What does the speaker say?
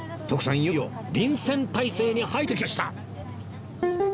いよいよ臨戦態勢に入ってきました！